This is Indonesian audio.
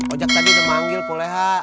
ojak tadi udah manggil boleh ha